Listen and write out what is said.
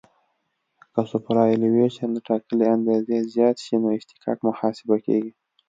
که سوپرایلیویشن له ټاکلې اندازې زیات شي نو اصطکاک محاسبه کیږي